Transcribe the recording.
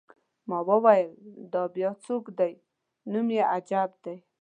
ما وویل: دا بیا څوک دی؟ نوم یې عجیب دی.